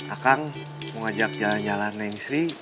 akang mau ajak jalan jalan neng sri